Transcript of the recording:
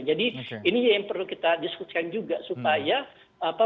jadi ini yang perlu kita diskusikan juga supaya